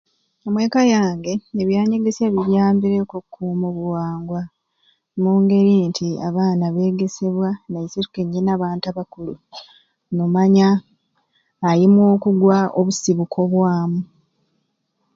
Omweka yange ebyanyegesya binyambireku okukuuma obuwangwa mu ngeri nti abaana beegesebwa naiswe kyenyini abantu abakulu n'omanya ayi mwokugwa obusibuko bwamu.